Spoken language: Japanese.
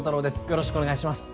よろしくお願いします